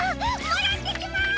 もらってきます！